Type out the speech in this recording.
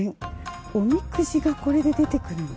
おみくじがこれで出てくるんだ。